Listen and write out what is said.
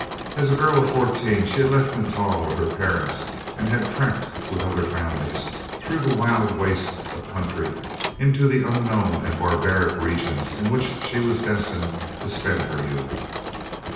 As a girl of fourteen she had left Natal with her parents and had "trekked," with other families, through the wild waste of country, into the unknown and barbaric regions in which she was destined to spend her youth.